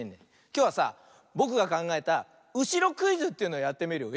きょうはさぼくがかんがえた「うしろクイズ」というのやってみるよ。